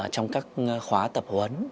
trong các khóa tập huấn